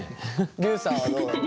りゅうさんはどうだった？